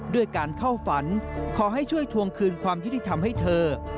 ด้วยการเข้าฝันขอให้ช่วยทวงคืนความยุติธรรมให้เธอ